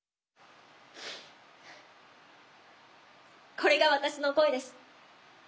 これが私の声です。